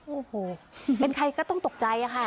โอ้โหเป็นใครก็ต้องตกใจค่ะ